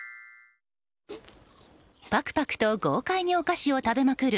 ぱくぱくと豪快にお菓子を食べまくる